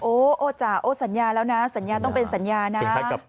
โอจ๋าโอ้สัญญาแล้วนะสัญญาต้องเป็นสัญญานะ